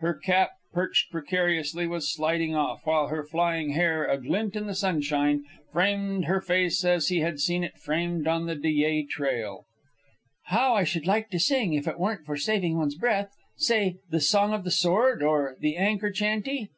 Her cap, perched precariously, was sliding off, while her flying hair, aglint in the sunshine, framed her face as he had seen it framed on the Dyea Trail. "How I should like to sing, if it weren't for saving one's breath. Say the 'Song of the Sword,' or the 'Anchor Chanty.'"